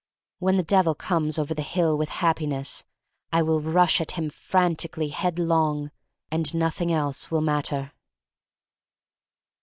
When the Devil comes over the hill with Happi ness I will rush at him frantically head long — and nothing else will matter.